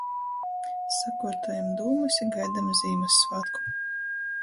Sakuortojam dūmys i gaidam Zīmyssvātku!